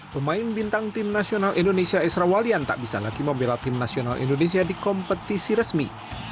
pemain bintang tim nasional indonesia esra walian tak bisa lagi membela tim nasional indonesia di kompetisi resmi